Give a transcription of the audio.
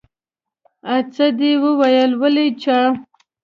آ څه دې وويلې ولې چا.